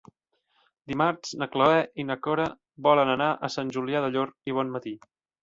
Dimarts na Cloè i na Cora volen anar a Sant Julià del Llor i Bonmatí.